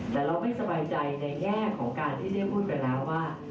แต่เราไม่สบายใจในแง่ของการที่ได้พูดไปแล้วว่า